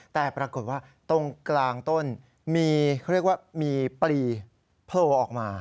แต่ปรากฏว่าตรงกลางต้นมีพลีโผล่ออกมา